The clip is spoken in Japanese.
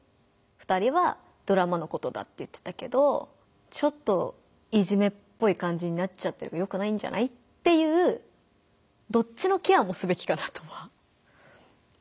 「２人はドラマのことだって言ってたけどちょっといじめっぽい感じになっちゃってるからよくないんじゃない？」っていうどっちのケアもすべきかなとは思います。